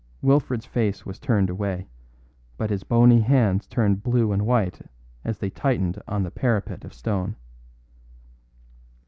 Wilfred's face was turned away, but his bony hands turned blue and white as they tightened on the parapet of stone.